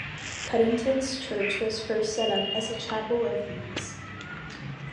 Cuddington's church was first set up as a chapel of ease.